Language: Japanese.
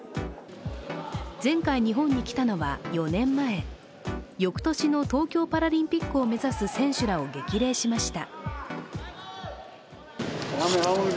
前回日本に来たのは４年前、翌年の東京パラリンピックを目指す選手らを激励しました。